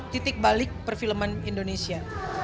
titik balik perfilman indonesia